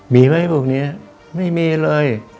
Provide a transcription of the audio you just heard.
มีไหมพวกนี้ไม่มีเลย